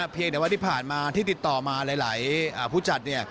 เพียงแต่ว่าที่ผ่านมาที่ติดต่อมาหลายผู้จัด